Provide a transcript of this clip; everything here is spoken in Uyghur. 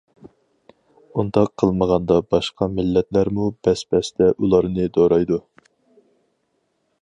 ئۇنداق قىلمىغاندا، باشقا مىللەتلەرمۇ بەس-بەستە ئۇلارنى دورايدۇ.